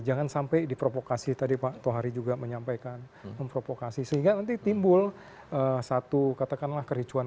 jangan sampai diprovokasi tadi pak tohari juga menyampaikan memprovokasi sehingga nanti timbul satu katakanlah kericuan